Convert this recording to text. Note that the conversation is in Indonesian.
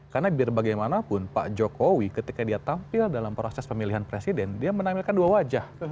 karena biar bagaimanapun pak jokowi ketika dia tampil dalam proses pemilihan presiden dia menampilkan dua wajah